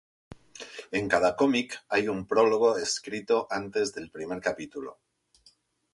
En cada cómic hay un prólogo escrito antes del primer capítulo.